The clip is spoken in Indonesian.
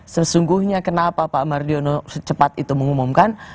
sesungguhnya kenapa pak mardiono secepat itu mengumumkan